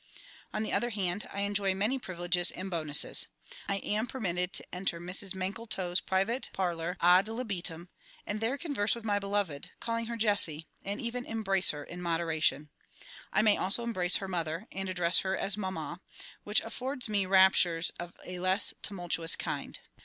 On the other hand, I enjoy many privileges and bonuses. I am permitted to enter Mrs MANKLETOW'S private parlour ad libitum, and there converse with my beloved, calling her "JESSIE," and even embrace her in moderation. I may also embrace her Mother, and address her as "Mamma," which affords me raptures of a less tumultuous kind.